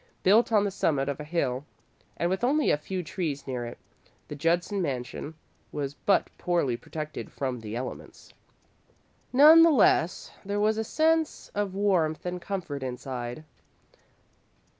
Built on the summit of a hill and with only a few trees near it, the Judson mansion was but poorly protected from the elements. None the less, there was a sense of warmth and comfort inside.